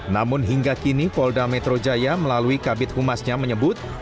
namun hingga kini polda metro jaya melalui kabit humasnya menyebut